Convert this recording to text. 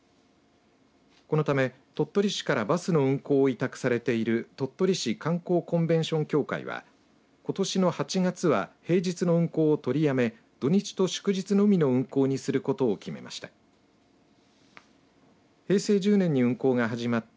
このため、鳥取市からバスの運行を委託されている鳥取市観光コンベンション協会はことしの８月は平日の運行を取りやめ土日と祝日のみの運行にすることを決めました。